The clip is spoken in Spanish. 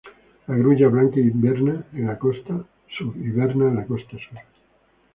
La grulla blanca hiberna en la costa sur.